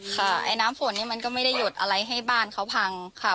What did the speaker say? ไอ้น้ำฝนนี่มันก็ไม่ได้หยดอะไรให้บ้านเขาพังค่ะ